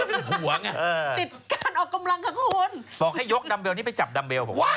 ติดการออกกำลังกับคนบอกให้ยกดัมเบลนี่ไปจับดัมเบล